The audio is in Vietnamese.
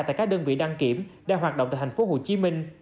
tại các đơn vị đăng kiểm đang hoạt động tại thành phố hồ chí minh